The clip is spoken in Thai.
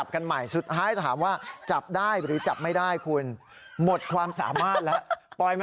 คนเข้าไปชมกี่ล้านครั้ง